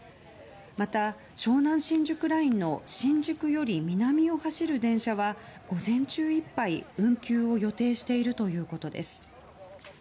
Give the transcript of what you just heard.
また、湘南新宿ラインの新宿より南を走る電車は午前中いっぱい運休を予定しているということです。